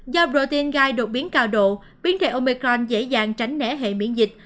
do protein gai đột biến cao độ biến thể omicron dễ dàng tránh nẻ hệ miễn dịch